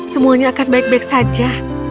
semuanya akan baik baik saja